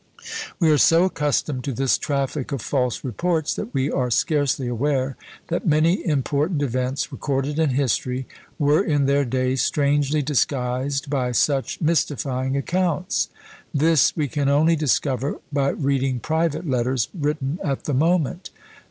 We are so accustomed to this traffic of false reports, that we are scarcely aware that many important events recorded in history were in their day strangely disguised by such mystifying accounts. This we can only discover by reading private letters written at the moment.